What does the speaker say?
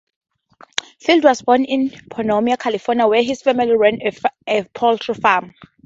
Field was born in Pomona, California, where his family ran a poultry farm.